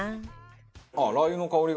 あっラー油の香りが。